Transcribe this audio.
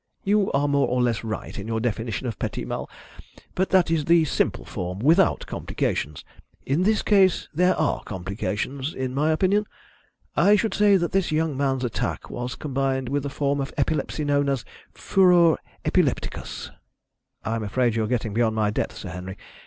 You are more or less right in your definition of petit mal. But that is the simple form, without complications. In this case there are complications, in my opinion. I should say that this young man's attack was combined with the form of epilepsy known as furor epilepticus." "I am afraid you are getting beyond my depth, Sir Henry.